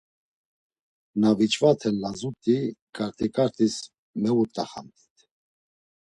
Na viç̌vaten lazut̆i, ǩarti ǩartis mevut̆axamt̆it.